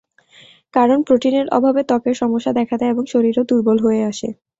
কারণ, প্রোটিনের অভাবে ত্বকের সমস্যা দেখা দেয় এবং শরীরও দুর্বল হয়ে আসে।